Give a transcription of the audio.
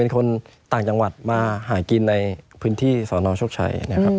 คนต่างจังหวัดมาหากินในพื้นที่สอนรชกชัย